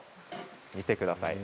見てください。